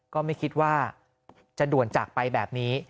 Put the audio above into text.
ก็ไม่คิดว่าจะด่วนจากไปแบบนี้